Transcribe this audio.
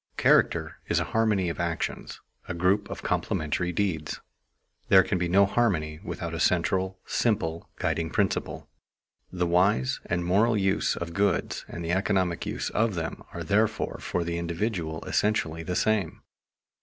Character is a harmony of actions, a group of complementary deeds. There can be no harmony, without a central, simple, guiding principle. The wise and moral use of goods and the economic use of them are therefore for the individual essentially the same.